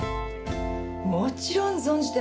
もちろん存じてます。